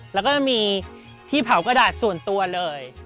แล้วก็จะมีที่เผากระดาษส่วนตัวเลย